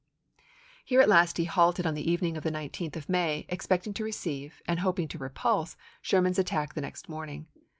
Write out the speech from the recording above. p°322. Here at last he halted on the evening of the 19th of May, expecting to receive and hoping to repulse Sherman's attack the next morning.